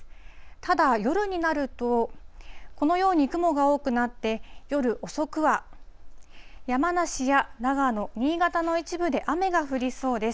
ただ、夜になると、このように雲が多くなって、夜遅くは、山梨や長野、新潟の一部で雨が降りそうです。